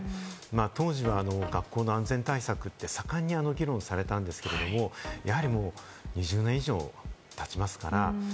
当時は学校の安全対策って盛んに議論されたんですけど、やはり２０年以上、経ちますから。